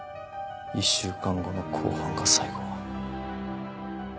１週間後の公判が最後。